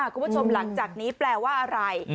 คุณผู้ชมหลังจากนี้แปลว่าอะไร